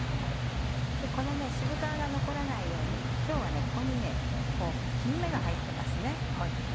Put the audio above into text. この渋皮が残らないように今日はここに切り目が入ってます。